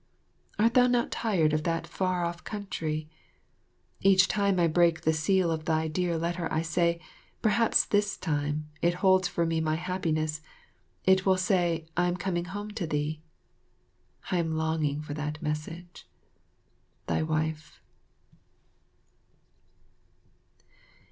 Art thou not tired of that far off country? Each time I break the seal of thy dear letter I say, "Perhaps this time it holds for me my happiness. It will say, 'I am coming home to thee'." I am longing for that message. Thy Wife.